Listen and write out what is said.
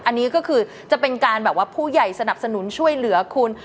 อันนี้ก็คือจะเป็นการแบบว่าผู้ใหญ่สนับสนุนช่วยเหลือคุณ